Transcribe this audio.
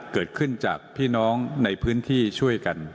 เกิดขึ้นจากพี่น้องในพื้นที่ช่วยกัน